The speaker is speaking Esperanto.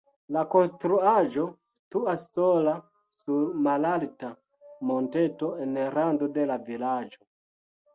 La konstruaĵo situas sola sur malalta monteto en rando de la vilaĝo.